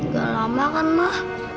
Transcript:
gak lama kan mah